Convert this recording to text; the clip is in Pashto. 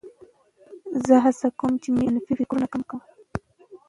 زه هڅه کوم چې منفي فکرونه کم کړم.